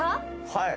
はい！